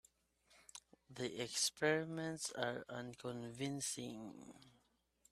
The experiments are unconvincing.